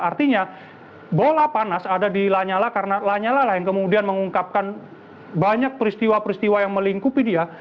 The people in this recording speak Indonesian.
artinya bola panas ada di lanyala karena lanyala lah yang kemudian mengungkapkan banyak peristiwa peristiwa yang melingkupi dia